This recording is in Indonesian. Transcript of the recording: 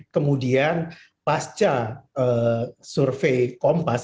kemudian pasca survei kompas